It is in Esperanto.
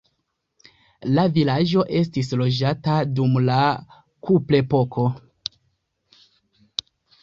La vilaĝo estis loĝata dum la kuprepoko.